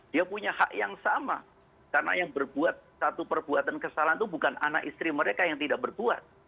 dia punya hak yang sama karena yang berbuat satu perbuatan kesalahan itu bukan anak istri mereka yang tidak berbuat